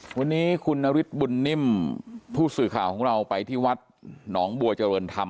วันนี้คุณนฤทธิบุญนิ่มผู้สื่อข่าวของเราไปที่วัดหนองบัวเจริญธรรม